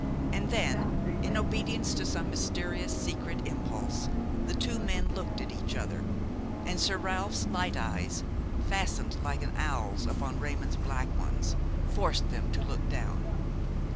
And then, in obedience to some mysterious secret impulse, the two men looked at each other, and Sir Ralph's light eyes, fastened like an owl's upon Raymon's black ones, forced them to look down.